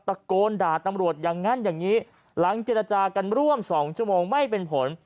ตะโกนด่าตำรวจอย่างนั้นอย่างนี้หลังเจรจากันร่วม๒ชั่วโมงไม่เป็นผล